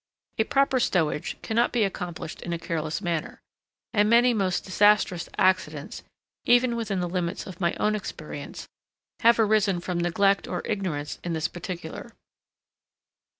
A proper stowage cannot be accomplished in a careless manner, and many most disastrous accidents, even within the limits of my own experience, have arisen from neglect or ignorance in this particular.